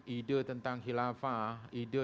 ide tentang khilafah ide